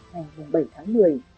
ngày bảy tháng một mươi